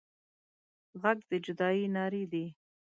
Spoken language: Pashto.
غږ د جدايي نارې دي